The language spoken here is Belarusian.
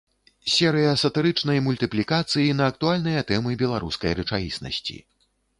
Серыя сатырычнай мультыплікацыі на актуальныя тэмы беларускай рэчаіснасці.